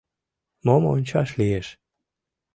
Мом ончаш лиеш?